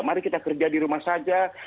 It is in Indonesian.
mari kita kerja di rumah saja